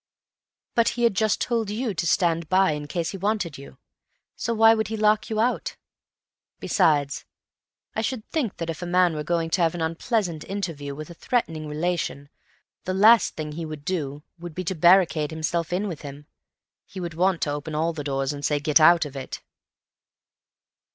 "But he had just told you to stand by in case he wanted you; so why should he lock you out? Besides, I should think that if a man were going to have an unpleasant interview with a threatening relation, the last thing he would do would be to barricade himself in with him. He would want to open all the doors and say, 'Get out of it!